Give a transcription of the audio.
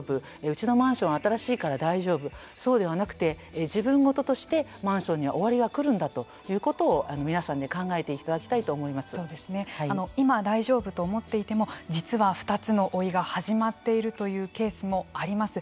うちのマンションは新しいから大丈夫そうではなくて自分事としてマンションには終わりが来るんだということを皆さんで今、大丈夫と思っていても実は２つの老いが始まっているというケースもあります。